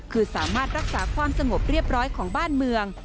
คือสามารถรักษาความสงบเรียบร้อยของบ้านเมือง